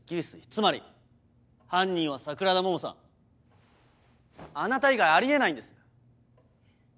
つまり犯人は桜田桃さんあなた以外あり得ないんです。